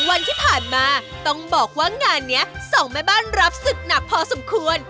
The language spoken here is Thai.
วันที่ผ่านมาต้องบอกว่างานนี้สองแม่บ้านรับศึกหนักพอสมควร